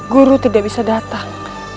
guru tidak bisa datang